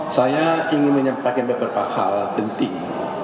saya ingin menyampaikan beberapa hal penting